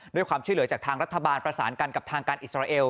ด้วยความช่วยเหลือจากทางรัฐบาลประสานกันกับทางการอิสราเอล